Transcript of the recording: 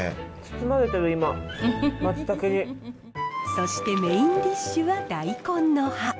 そしてメインディッシュはダイコンの葉。